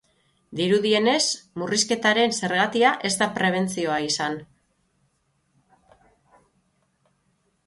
Dirudienez, murrizketaren zergatia ez da prebentzioa izan.